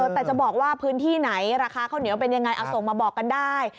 แต่จะบอกว่าพื้นที่ไหนราคาข้าวเหนียวเป็นยังไงเอาส่งมาบอกกันได้